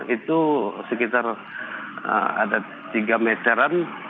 itu sekitar ada tiga meteran